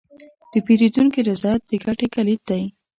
د پیرودونکي رضایت د ګټې کلید دی.